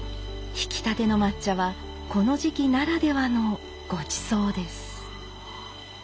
ひきたての抹茶はこの時期ならではのごちそうです。